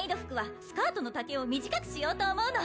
スカートの丈を短くしようと思うの